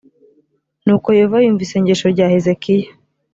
nuko yehova yumva isengesho rya hezekiya